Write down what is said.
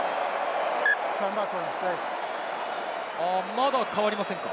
まだ代わりませんか。